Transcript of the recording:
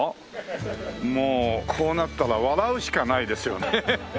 もうこうなったら笑うしかないですよね。